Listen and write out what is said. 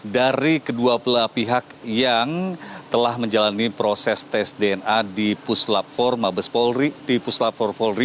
dari kedua pihak yang telah menjalani proses tes dna di puslap empat pori